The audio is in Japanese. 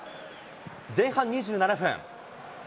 前半２７分。